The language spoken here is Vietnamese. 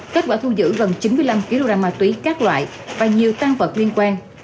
kết quả thu giữ gần chín mươi năm kg ma túy các loại và nhiều tăng vật liên quan